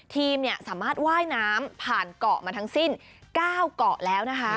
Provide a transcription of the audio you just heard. ทีมสามารถว่ายน้ำผ่านเกาะมาทั้งสิ้น๙เกาะแล้วนะคะ